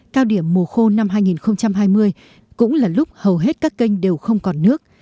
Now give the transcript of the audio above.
cao điểm mùa khô năm hai nghìn hai mươi cũng là lúc hầu hết các kênh đều không còn nước